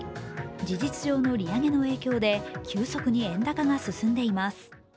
事実上の利上げの影響で急速に円高が進んでいます。